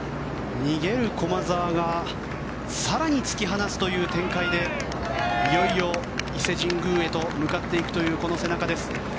逃げる駒澤が更に突き放すという展開でいよいよ伊勢神宮へと向かっていくというこの背中です。